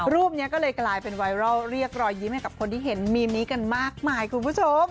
รูปนี้ก็เลยกลายเป็นไวรัลเรียกรอยยิ้มให้กับคนที่เห็นมีมนี้กันมากมายคุณผู้ชม